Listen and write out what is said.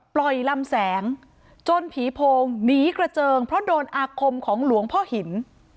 ลำแสงจนผีโพงหนีกระเจิงเพราะโดนอาคมของหลวงพ่อหิน